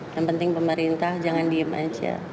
yang penting pemerintah jangan diem aja